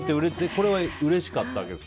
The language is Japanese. これはうれしかったわけですか？